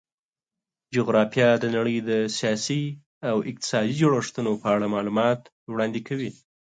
جغرافیه د نړۍ د سیاسي او اقتصادي جوړښتونو په اړه معلومات وړاندې کوي.